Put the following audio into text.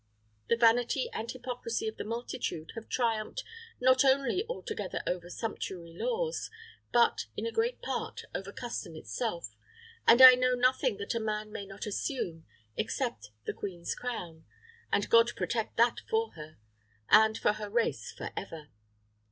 The vanity and hypocrisy of the multitude have triumphed not only altogether over sumptuary laws, but, in a great part, over custom itself and I know nothing that a man may not assume, except the queen's crown, and God protect that for her, and for her race forever!